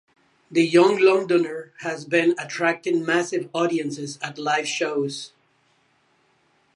The young Londoner has been attracting massive audiences at live shows.